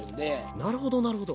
なるほどなるほど。